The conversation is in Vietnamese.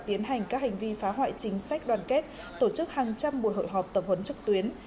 tiến hành các hành vi phá hoại chính sách đoàn kết tổ chức hàng trăm buổi hội họp tập huấn trực tuyến